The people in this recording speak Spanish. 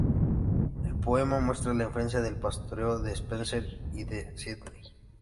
El poema muestra la influencia del pastoreo de Spenser y Sidney.